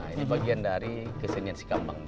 ini bagian dari kesenian sikambang